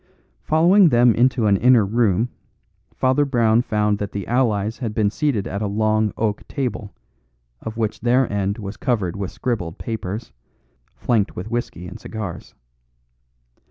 Following them into an inner room, Father Brown found that the allies had been seated at a long oak table, of which their end was covered with scribbled papers, flanked with whisky and cigars.